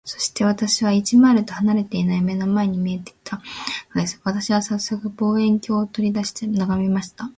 そして、私から一マイルとは離れていない眼の前に見えて来たのです。私はさっそく、望遠鏡を取り出して眺めました。